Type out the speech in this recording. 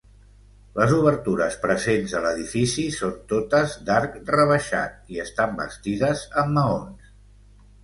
Les obertures presents a l'edifici són totes d'arc rebaixat i estan bastides amb maons.